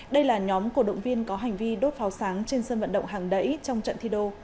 đây là nhóm cổ động viên có hành vi đốt pháo sáng trên sân vận động hàng đẩy trong trận thi đô